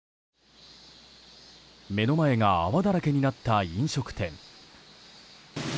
目の前が泡だらけになった飲食店。